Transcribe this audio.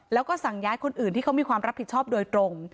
แล้วก็สั่งย้ายคนอื่นที่เขามีความรับผิดชอบโดยตรง